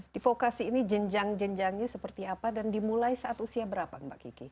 di vokasi ini jenjang jenjangnya seperti apa dan dimulai saat usia berapa mbak kiki